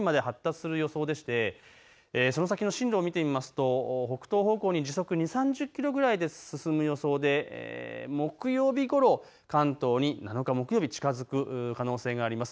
今後台風にまで発達する予想でして、その先の進路を見てみますと北東方向に時速２０、３０キロぐらいで進む予想で木曜日ごろ、関東に７日、木曜日近づく可能性があります。